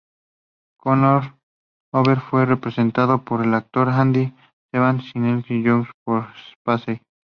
Conor Oberst fue representado por el actor Andy Samberg y Neil Young por Spacey.